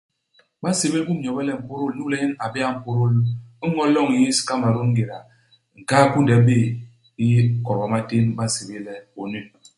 Ba nsébél Um Nyobe le Mpôdôl inyu le nyen a bé'é a mpôdôl i ño u loñ yés i Kamerun ingéda nkaa u kunde u bé'é, i kodba i matén ba nsébél le ONU.